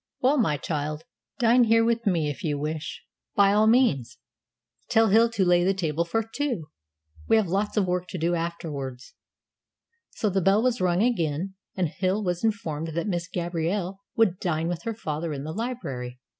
Well, my child, dine here with me if you wish, by all means. Tell Hill to lay the table for two. We have lots of work to do afterwards." So the bell was rung again and Hill was informed that Miss Gabrielle would dine with her father in the library.